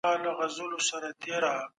له ناروغیو ژغورل کېږي.